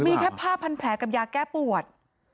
มีแค่ผ้าพันแผลกับยาแก้ปวด